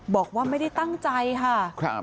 บอกว่าไม่ได้ตั้งใจค่ะ